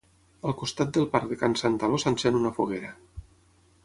Al costat del Parc de Can Santaló s'encén una foguera.